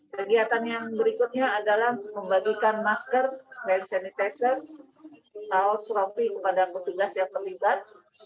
kegiatan yang berikutnya adalah membagikan masker hand sanitizer atau surafi kepada petugas yang terlibat